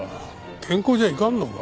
健康じゃいかんのか？